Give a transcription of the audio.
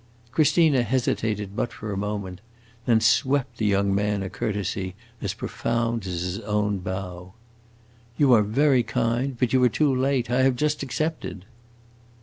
Christina hesitated but for a moment, then swept the young man a courtesy as profound as his own bow. "You are very kind, but you are too late. I have just accepted!"